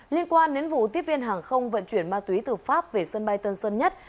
liên quan đến vụ tiếp viên hàng không vận chuyển ma túy từ pháp về sân bay tân sơn nhất